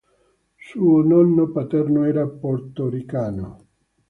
Suo nonno paterno era Portoricano.